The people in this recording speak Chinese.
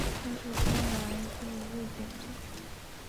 他是波兰裔瑞典人。